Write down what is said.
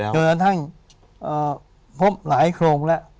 จนดั้งพบหลายโครงแล้ว